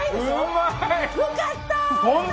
よかったー！